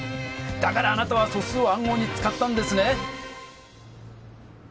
だからあなたは素数を暗号に使ったんですね！